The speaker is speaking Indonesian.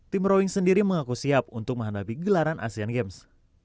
tim rowing sendiri mengaku siap untuk menghadapi gelaran asean games